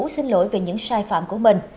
xin lỗi về những sai phạm của mình